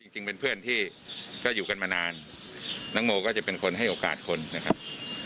จริงเป็นเพื่อนที่ก็อยู่กันมานานน้องโมก็จะเป็นคนให้โอกาสคนนะครับ